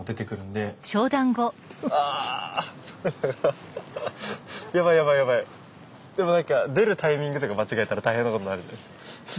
でも何か出るタイミングとか間違えたら大変なことになるんで。